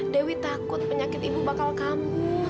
dewi takut penyakit ibu bakal kamu